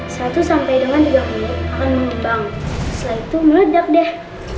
satu sampai dengan tiga puluh akan mengembang setelah itu meledak deh